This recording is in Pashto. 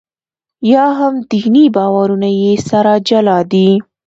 یا هم دیني باورونه یې سره جلا دي.